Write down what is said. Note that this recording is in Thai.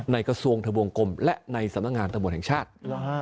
ในกระทรวงสมุกลมและเรือนกลางชาติ